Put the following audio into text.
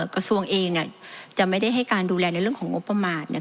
กระทรวงเองจะไม่ได้ให้การดูแลในเรื่องของงบประมาณ